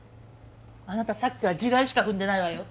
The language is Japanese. あなたさっきから地雷しか踏んでないわよ。